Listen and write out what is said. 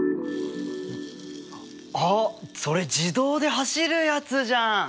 あっそれ自動で走るやつじゃん！